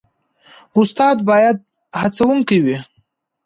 استاد باید هڅونکی وي